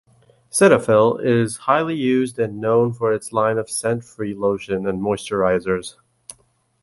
Cetaphil is highly used and known for its line of scent-free lotion and moisturizers.